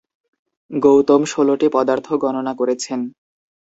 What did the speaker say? গৌতম ষোলটি পদার্থ গণনা করেছেন।